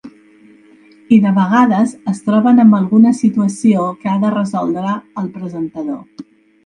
I de vegades es troben amb alguna situació que ha de resoldre el presentador.